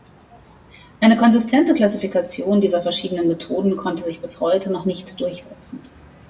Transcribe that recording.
Eine konsistente Klassifikation dieser verschiedenen Methoden konnte sich bis heute noch nicht durchsetzen.